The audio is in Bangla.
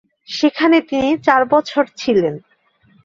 সেখানে তিনি চার বছর ছিলেন।